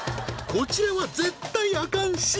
こちらは絶対アカンＣ